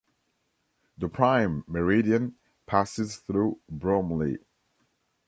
The Prime Meridian passes through Bromley.